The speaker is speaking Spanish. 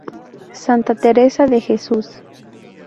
Santa Teresa de Jesús.